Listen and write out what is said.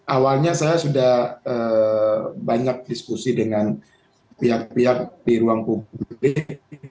awalnya saya sudah banyak diskusi dengan pihak pihak di ruang publik